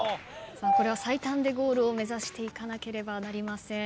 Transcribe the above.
これは最短でゴールを目指していかなければなりません。